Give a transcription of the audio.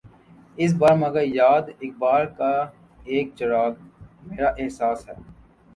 اس بار مگر یاد اقبال کا ایک چراغ، میرا احساس ہے